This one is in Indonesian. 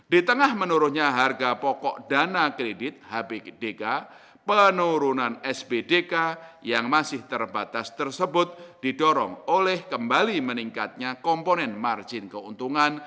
di tengah menurunnya harga pokok dana kredit hbgk penurunan sbdk yang masih terbatas tersebut didorong oleh kembali meningkatnya komponen margin keuntungan